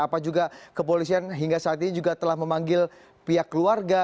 apa juga kepolisian hingga saat ini juga telah memanggil pihak keluarga